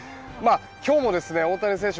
今日もですね大谷選手